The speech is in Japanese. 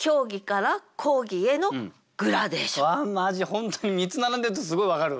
本当に３つ並んでるとすごい分かる。